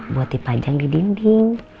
buat dipajang di dinding